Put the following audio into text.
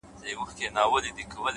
زحمت د بریا د کښت اوبه دي؛